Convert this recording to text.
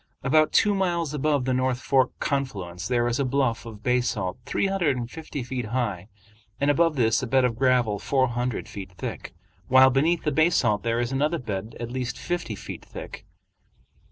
About two miles above the North Fork confluence there is a bluff of basalt three hundred and fifty feet high, and above this a bed of gravel four hundred feet thick, while beneath the basalt there is another bed at least fifty feet thick.